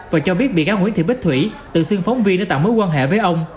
và cho biết bị cáo nguyễn thị bích thủy tự xưng phóng viên để tạo mối quan hệ với ông